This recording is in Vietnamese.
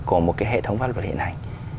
của một cái hệ thống pháp luật hiện hành